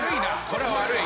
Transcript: これは悪い。